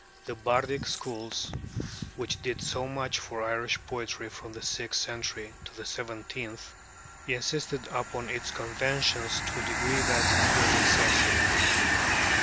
The bardic schools, which did so much for Irish poetry from the sixth century to the seventeenth, insisted upon its conventions to a degree that was excessive.